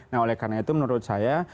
nah oleh karena itu menurut saya